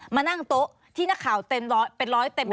มานั่งโต๊ะที่นักข่าวเป็นร้อยเต็มไปหมดเลย